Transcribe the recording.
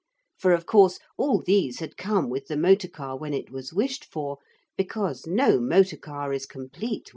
(For of course all these had come with the motor car when it was wished for, because no motor car is complete without them.)